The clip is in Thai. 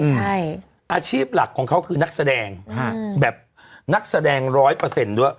ใช่อาชีพหลักของเขาคือนักแสดงแบบนักแสดงร้อยเปอร์เซ็นต์ด้วย